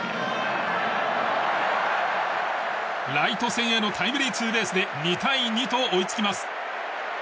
ライト線へのタイムリーツーベースで２対２と追いつきます。